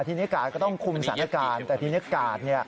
ทีนี้กาดก็ต้องคุมสรรคาการแต่ทีนี้กาด